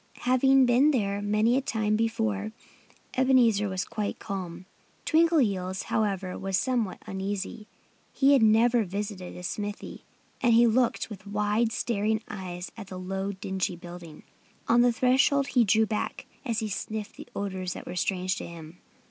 Having been there many a time before, Ebenezer was quite calm. Twinkleheels, however, was somewhat uneasy. He had never visited a smithy. And he looked with wide, staring eyes at the low, dingy building. On the threshold he drew back, as he sniffed odors that were strange to him.